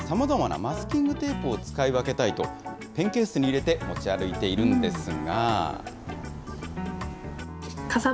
予定の種類に合わせて、さまざまなマスキングテープを使い分けたいと、ペンケースに入れて持ち歩いているんですが。